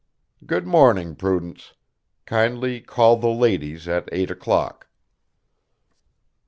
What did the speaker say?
Good morning, Prudence. Kindly call the ladies at eight o'clock."